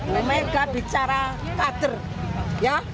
memang gak bicara kader ya